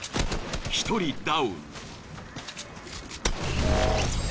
１人ダウン。